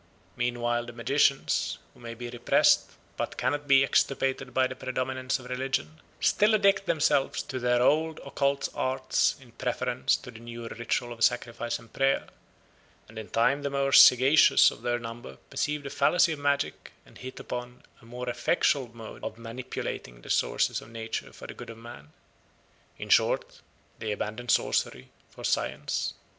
Meanwhile the magicians, who may be repressed but cannot be extirpated by the predominance of religion, still addict themselves to their old occult arts in preference to the newer ritual of sacrifice and prayer; and in time the more sagacious of their number perceive the fallacy of magic and hit upon a more effectual mode of manipulating the forces of nature for the good of man; in short, they abandon sorcery for science.